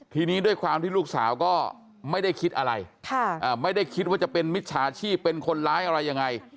ทีนี้ด้วยความที่ลูกสาวก็ไม่ได้คิดอะไรไม่ได้คิดว่าจะเป็นมิจฉาชีพเป็นคนร้ายอะไรยังไง